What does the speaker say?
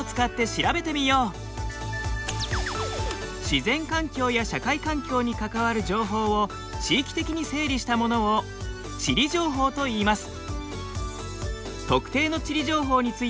自然環境や社会環境に関わる情報を地域的に整理したものを地理情報といいます。